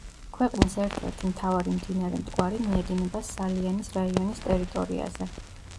ქვეყნის ერთ-ერთი მთავარი მდინარე მტკვარი მიედინება სალიანის რაიონის ტერიტორიაზე.